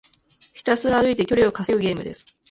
ひたすら歩いて距離を稼ぐゲームです。